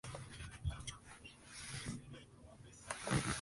Se encuentra en Madeira y el Mediterráneo.